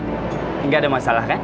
gak ada masalah kan